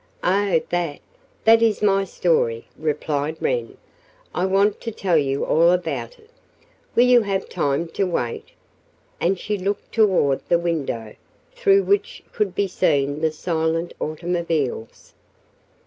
"Oh, that that is my story," replied Wren. "I want to tell you all about it. Will you have time to wait?" and she looked toward the window, through which could be seen the silent automobiles.